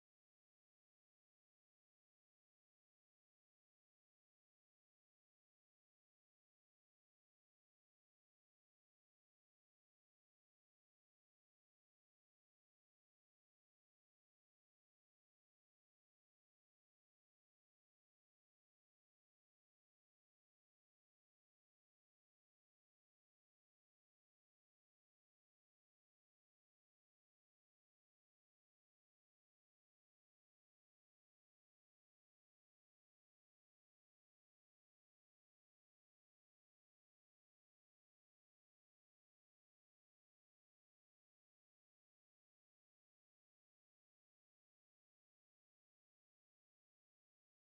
ditilah sakit saluran kambing anda juga bertumbuh